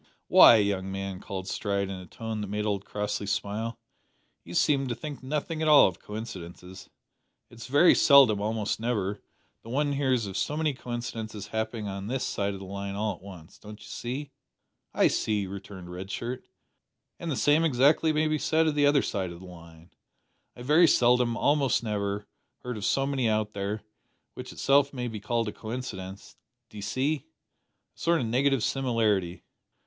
"Why, young man," cried Stride in a tone that made old Crossley smile, "you seem to think nothing at all of coincidences. It's very seldom almost never that one hears of so many coincidences happening on this side o' the line all at once don't you see." "I see," returned Red Shirt; "and the same, exactly, may be said of the other side o' the line. I very seldom almost never heard of so many out there; which itself may be called a coincidence, d'ee see? a sort of negative similarity."